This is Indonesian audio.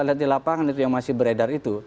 lihat di lapangan itu yang masih beredar itu